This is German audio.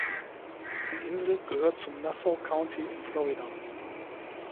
Die Insel gehört zum Nassau County in Florida.